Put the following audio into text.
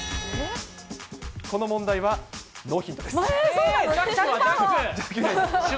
この問題は、ノーヒントです。